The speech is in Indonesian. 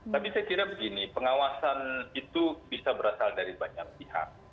tapi saya kira begini pengawasan itu bisa berasal dari banyak pihak